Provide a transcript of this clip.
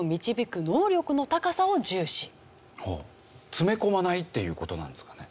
詰め込まないっていう事なんですかね？